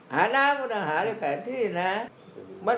หาน้ำค้นหาในแผนที่นะ